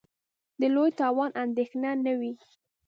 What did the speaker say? د لوی تاوان اندېښنه نه وي.